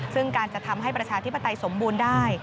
ซึ่งการจะทำให้ประชาธิปไตยสมบูรณ์ได้